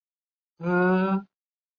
鸭嘴龙形类是群衍化的鸟脚下目。